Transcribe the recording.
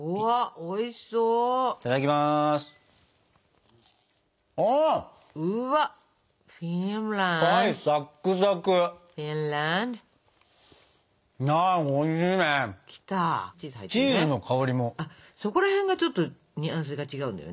おいしそうだよ。